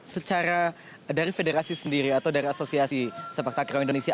secara dari federasi sendiri atau dari asosiasi sepak takraw indonesia